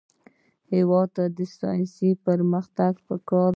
هېواد ته ساینسي پرمختګ پکار دی